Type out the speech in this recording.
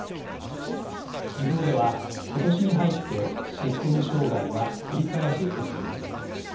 みずほでは、ことしに入ってシステム障害が繰り返し起きています。